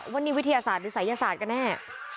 นิวิทยาศาสตร์หรือศัยศาสตร์กันแน่